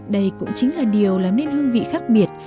đây cũng chính là điều làm nên hương vị khác biệt